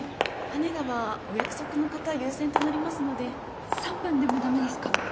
羽田はお約束の方優先となりますので３分でもダメですか？